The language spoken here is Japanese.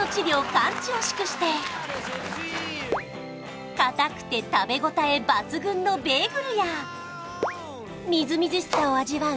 完治を祝して硬くて食べ応え抜群のベーグルやみずみずしさを味わう